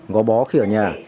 ngó bó khi ở nhà